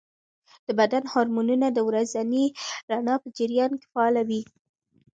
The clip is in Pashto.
د بدن هارمونونه د ورځني رڼا په جریان کې فعاله وي.